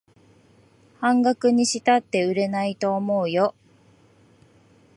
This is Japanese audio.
半額にしたって売れないと思うよ